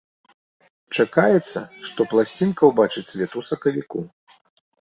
Чакаецца, што пласцінка ўбачыць свет у сакавіку.